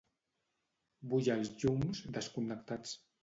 Vull els llums desconnectats.